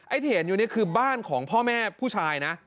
ที่เห็นอยู่นี่คือบ้านของพ่อแม่ผู้ชายนะ